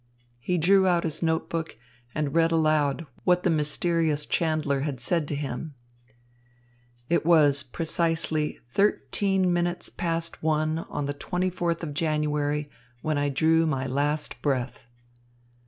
He drew out his note book and read aloud what the mysterious chandler had said to him: "It was precisely thirteen minutes past one on the twenty fourth of January when I drew my last breath."